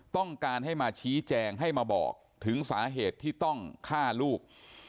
ต้องการให้มาชี้แจงให้มาบอกถึงสาเหตุที่ต้องฆ่าลูก